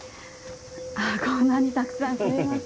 あっこんなにたくさんすいません。